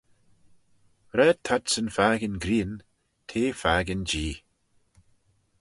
Raad t'adsyn fakin grian, t'eh fakin Jee.